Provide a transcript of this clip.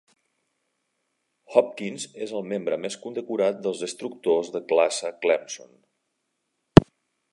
"Hopkins" és el membre més condecorat dels destructors de classe Clemson.